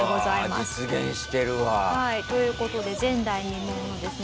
実現してるわ。という事で前代未聞のですね